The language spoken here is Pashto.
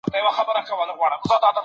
پرون مو په ګډه ډوډۍ پخه کړه.